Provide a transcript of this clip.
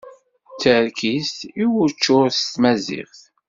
D tarkizt i wučur s Tmaziɣt.